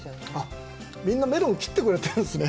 みんな、メロン、切ってくれてるんですね。